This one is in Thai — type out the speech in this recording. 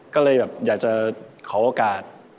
ก็เลยแบบอยากจะขอโอกาส